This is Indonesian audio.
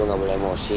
lo nggak boleh emosi